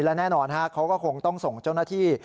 และแน่นอนเขาก็คงต้องส่งเจ้าหน้าที่